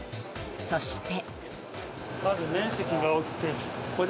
そして。